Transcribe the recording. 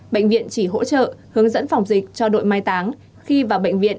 bệnh viện chỉ hỗ trợ hướng dẫn phòng dịch cho đội mai táng khi vào bệnh viện